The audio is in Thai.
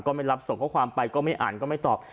ไม่รับส่งข้อความไปก็ไม่อ่านก็ไม่ตอบ